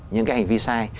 những cái hành vi sai